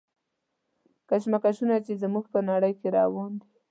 کشمکشونه چې زموږ په نړۍ کې روان دي.